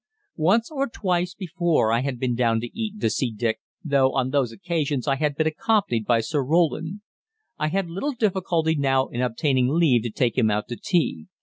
Once or twice before I had been down to Eton to see Dick, though on those occasions I had been accompanied by Sir Roland. I had little difficulty now in obtaining leave to take him out to tea.